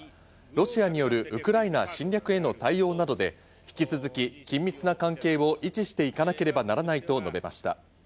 ロシアによるウクライナ侵略への対応などで引き続き緊密な関係を維持していかなければならないと述べました。